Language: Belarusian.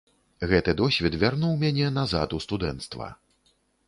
Гэты досвед вярнуў мяне назад у студэнцтва.